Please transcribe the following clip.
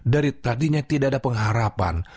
dari tadinya tidak ada pengharapan